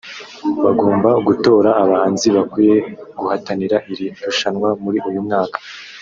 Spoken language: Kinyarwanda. bagomba gutora abahanzi bakwiye guhatanira iri rushanwa muri uyu mwaka